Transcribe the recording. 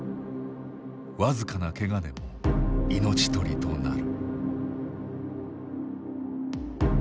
僅かなけがでも命取りとなる。